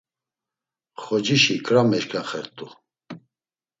Xocişi kra meşǩaxert̆u.